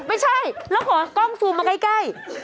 ไม่ใช่แล้วขอกล้องซูมมาใกล้